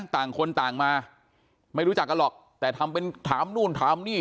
ต่างคนต่างมาไม่รู้จักกันหรอกแต่ทำเป็นถามนู่นถามนี่